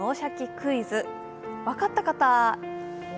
クイズ」、分かった方？